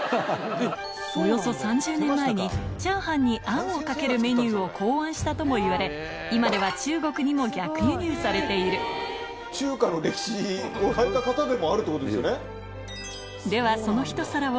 およそ３０年前にチャーハンにあんをかけるメニューを考案したともいわれ今ではでもあるってことですよね。